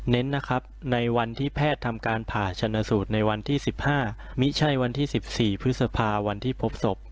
เน้นนะครับในวันที่แพทย์ทำการผ่าชนะสูตรในวันที่๑๕มิใช่วันที่๑๔พฤษภาวันที่พบศพ